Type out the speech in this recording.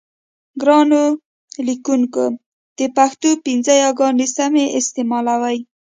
ګرانو لیکوونکو د پښتو پنځه یاګانې سمې استعمالوئ.